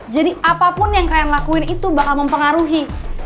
jadi apapun yang kalian lakuin itu bakal mempengaruhi